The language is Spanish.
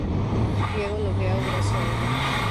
Y hago lo que hago gracias a ella.